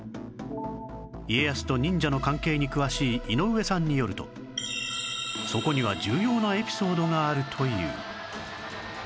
家康と忍者の関係に詳しい井上さんによるとそこには重要なエピソードがあるという